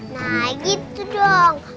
nah gitu dong